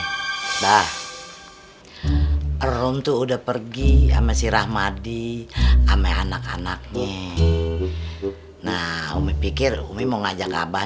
udah udah perum tuh udah pergi ama si rahmadi ame anak anaknya nah umi pikir umi mau ngajak abah